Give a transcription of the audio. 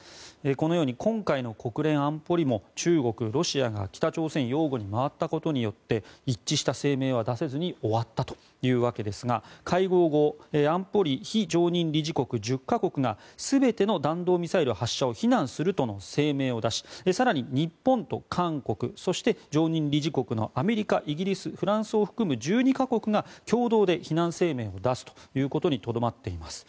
このように今回の国連安保理も中国、ロシアが北朝鮮擁護に回ったことによって一致した声明は出せずに終わったというわけですが会合後安保理非常任理事国１０か国が全ての弾道ミサイル発射を非難すると声明を出し更に日本と韓国、そして常任理事国のアメリカ、イギリスフランスを含む１２か国が共同で非難声明を出すということにとどまっています。